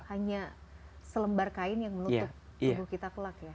gak punya selembar kain yang melutup tubuh kita kelak ya